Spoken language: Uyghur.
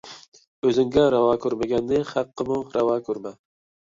ئۆزۈڭگە راۋا كۆرمىگەننى خەققىمۇ راۋا كۆرمە.